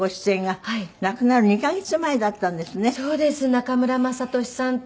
中村雅俊さんと。